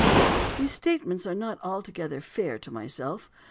These statements are not altogether fair to myself.